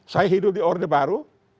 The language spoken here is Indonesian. saya hidup di orde baru